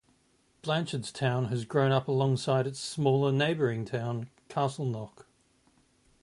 Blanchardstown has grown up alongside its smaller neighbouring town, Castleknock.